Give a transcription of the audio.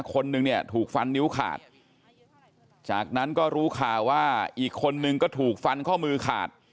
คนนึงเนี่ยถูกฟันนิ้วขาดจากนั้นก็รู้ข่าวว่าอีกคนนึงก็ถูกฟันข้อมือขาด